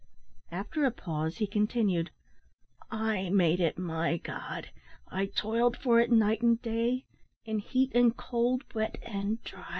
After a pause, he continued, "I made it my god. I toiled for it night and day, in heat and cold, wet and dry.